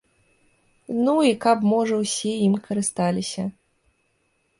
Ну, і каб, можа, усе ім карысталіся.